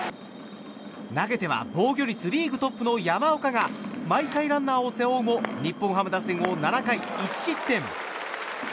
投げては防御率リーグトップの山岡が毎回ランナーを背負うも日本ハム打線を７回１失点。